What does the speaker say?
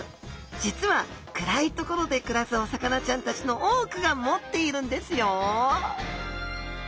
実は暗い所で暮らすお魚ちゃんたちの多くが持っているんですよ